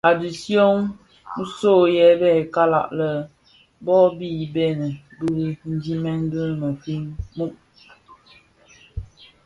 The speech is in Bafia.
A dishyön, nso yè bè kalag lè bon be bhèi bë dimen bë muufin.